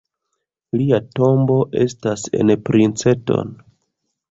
Lia tombo estas en Princeton.